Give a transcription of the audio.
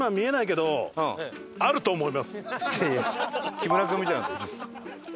木村君みたい天津。